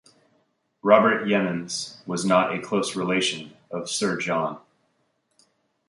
Robert Yeamans was not a close relation of Sir John.